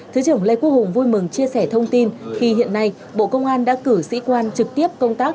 thứ trưởng lê quốc hùng vui mừng chia sẻ thông tin khi hiện nay bộ công an đã cử sĩ quan trực tiếp công tác